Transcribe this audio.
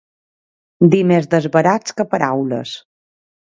Dir més desbarats que paraules